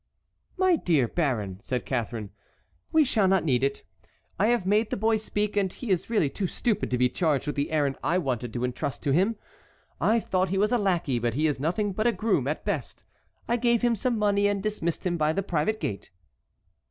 "My dear baron," said Catharine, "we shall not need it. I have made the boy speak, and he is really too stupid to be charged with the errand I wanted to entrust to him. I thought he was a lackey, but he is nothing but a groom at best. I gave him some money and dismissed him by the private gate."